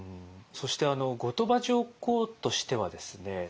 そして後鳥羽上皇としてはですね